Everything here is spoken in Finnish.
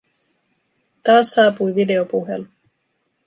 Taas saapui videopuhelu.